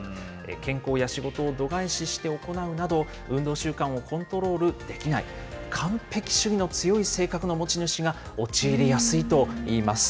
健康や仕事を度外視して行うなど、運動習慣をコントロールできない、完璧主義の強い性格の持ち主が陥りやすいといいます。